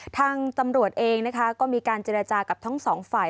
ทางตำรวจเองนะคะก็มีการเจรจากับทั้งสองฝ่าย